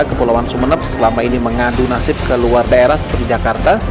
kepulauan sumeneb selama ini mengadu nasib ke luar daerah seperti jakarta